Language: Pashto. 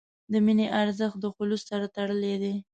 د مینې ارزښت د خلوص سره تړلی دی.